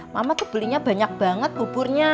mama tuh belinya banyak banget buburnya